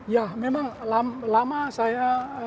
ya memang lama saya